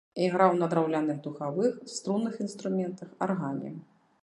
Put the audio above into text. Іграў на драўляных духавых, струнных інструментах, аргане.